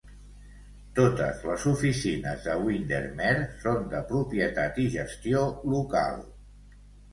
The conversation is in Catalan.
Totes les oficines de Windermere són de propietat i gestió local.